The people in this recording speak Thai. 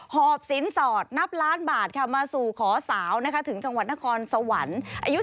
หอบศีลศอดนับล้านบาทมาสู่ขอสาวถึงจังหวัดนครสวรรค์